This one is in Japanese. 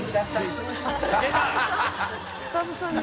スタッフさんに？